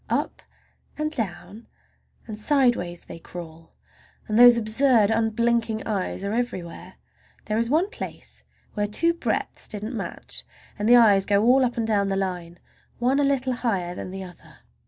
Up and down and sideways they crawl, and those absurd, unblinking eyes are everywhere. There is one place where two breadths didn't match, and the eyes go all up and down the line, one a little higher than the other.